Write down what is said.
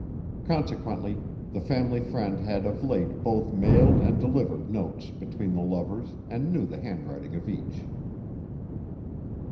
Consequently the family friend had of late both mailed and delivered notes between the lovers and knew the handwriting of each.